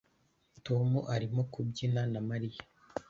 Tom arimo kubyina na Mariya